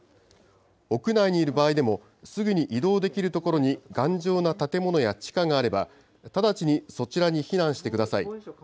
屋内にいる場合でも、すぐに移動できる所に頑丈な建物や地下があれば、直ちにそちらに避難してください。